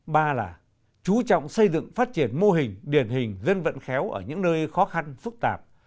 ba là chú trọng xây dựng phát triển mô hình điển hình dân vận khéo ở những nơi khó khăn phức tạp